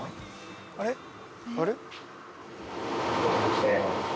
あれ？